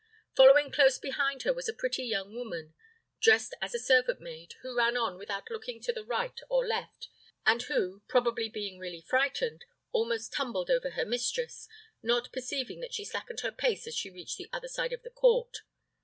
Following close behind her was a pretty young woman, dressed as a servant maid, who ran on without looking to the right or left, and who, probably being really frightened, almost tumbled over her mistress, not perceiving that she slackened her pace as she reached the other side of the court.